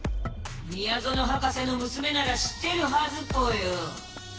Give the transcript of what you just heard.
みやぞの博士のむすめなら知ってるはずぽよ。